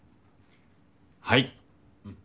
はい。